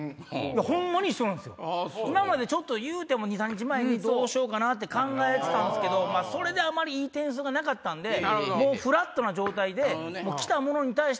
２３日前にどうしようかなって考えてたんすけどそれであまりいい点数がなかったんでもうフラットな状態で。